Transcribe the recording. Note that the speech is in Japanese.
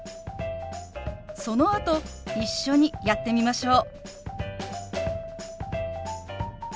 そのあと一緒にやってみましょう。